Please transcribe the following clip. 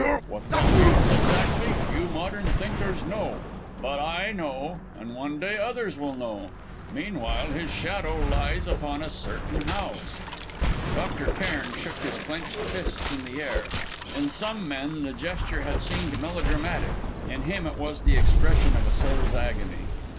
What that means, exactly, few modern thinkers know; but I know, and one day others will know. Meanwhile his shadow lies upon a certain house." Robert Cairn shook his clenched fists in the air. In some men the gesture had seemed melodramatic; in him it was the expression of a soul's agony.